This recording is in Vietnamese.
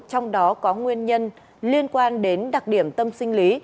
trong đó có nguyên nhân liên quan đến đặc điểm tâm sinh lý